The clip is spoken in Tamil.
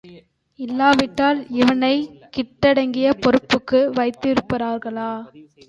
இல்லாவிட்டால் இவனைக் கிட்டங்கிப் பொறுப்புக்கு வைத்திருப்பார்களா?